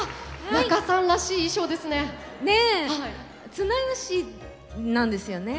綱吉なんですよね。